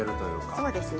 そうですね。